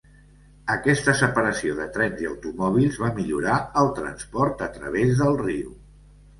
Aquesta separació de trens i automòbils va millorar el transport a través del riu.